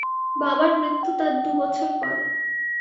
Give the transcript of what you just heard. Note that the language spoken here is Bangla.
বাবার মৃত্যু তার দু বছর পরে।